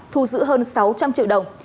thu giữ hơn sáu trăm linh triệu đồng